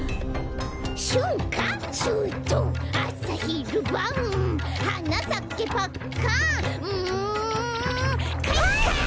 「しゅんかしゅうとうあさひるばん」「はなさけパッカン」んかいか！